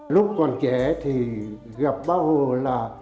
lúc còn trẻ thì gặp bác hồ là